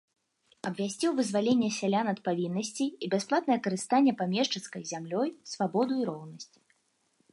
Абвясціў вызваленне сялян ад павіннасцей і бясплатнае карыстанне памешчыцкай зямлёй, свабоду і роўнасць.